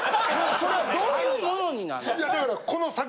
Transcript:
それはどういうものになんの？